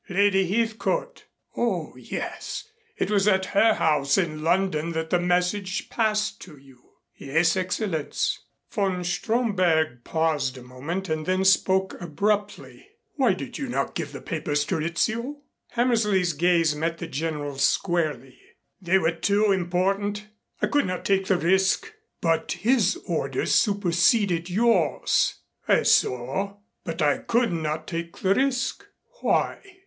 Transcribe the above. "Lady Heathcote " "Oh, yes. It was at her house in London that the message passed to you." "Yes, Excellenz." Von Stromberg paused a moment and then spoke abruptly. "Why did you not give the papers to Rizzio?" Hammersley's gaze met the General's squarely. "They were too important. I could not take the risk." "But his orders superseded yours." "I saw but I could not take the risk." "Why?"